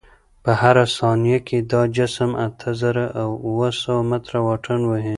په هره ثانیه کې دا جسم اته زره اوه سوه متره واټن وهي.